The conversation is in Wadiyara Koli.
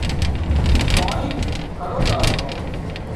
پاڻي هروز آلتو